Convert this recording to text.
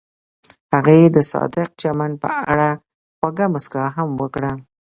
هغې د صادق چمن په اړه خوږه موسکا هم وکړه.